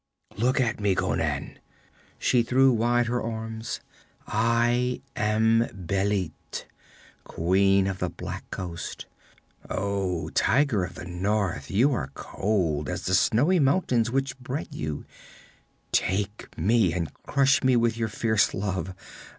'Look at me, Conan!' She threw wide her arms. 'I am Bêlit, queen of the black coast. Oh, tiger of the North, you are cold as the snowy mountains which bred you. Take me and crush me with your fierce love!